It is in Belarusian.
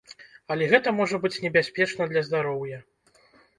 Але гэта можа быць небяспечна для здароўя.